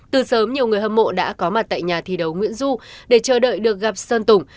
từ sớm nhiều người hâm mộ đã có mặt tại nhà thi đấu nguyễn du để chờ đợi được gặp sơn tùng